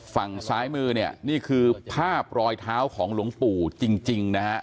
ฝั่งซ้ายมือเนี่ยนี่คือภาพรอยเท้าของหลวงปู่จริงนะฮะ